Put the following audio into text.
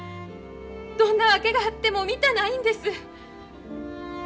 どんな訳があっても見たないんです。